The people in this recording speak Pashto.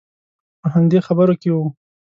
په همدې خبرو کې وو.